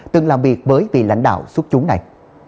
từng làm việc với tỷ lãnh đạo xuất chúng này